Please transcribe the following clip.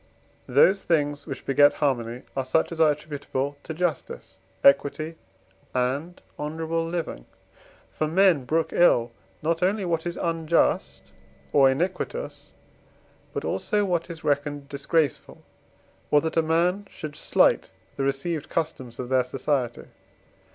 Those things, which beget harmony, are such as are attributable to justice, equity, and honourable living. For men brook ill not only what is unjust or iniquitous, but also what is reckoned disgraceful, or that a man should slight the received customs of their society.